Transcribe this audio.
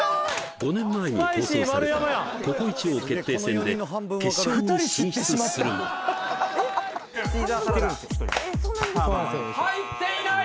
５年前に放送された「ＣｏＣｏ壱王決定戦」で決勝に進出するも入っていない！